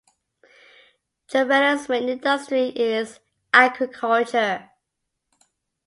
Jovellar's main industry is agriculture.